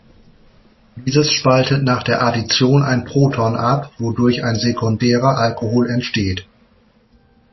Dieses spaltet nach der Addition ein Proton ab, wodurch ein sekundärer Alkohol entsteht.